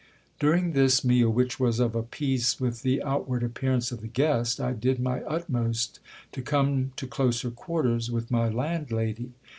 During this meal, which was of a piece with the outward appearance of the guest, I did my utmost to come to closer quarters with my landlady.